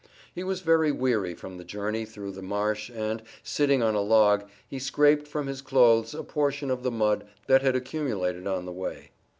He was very weary from the journey through the marsh and, sitting on a log, he scraped from his clothes a portion of the mud they had accumulated on the way.